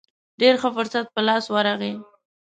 ډېر ښه فرصت په لاس ورغی.